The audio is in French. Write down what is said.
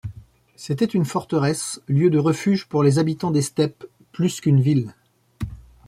C'était une forteresse, lieu de refuge pour les habitants des steppes, plus qu'une ville.